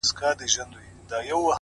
نړوم غرونه د تمي، له اوږو د ملایکو،